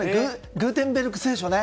グーテンベルクの聖書ね。